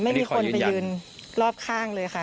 ไม่มีคนไปยืนรอบข้างเลยค่ะ